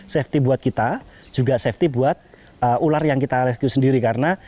safety buat kita juga safety buat ular yang kita rescue sendiri karena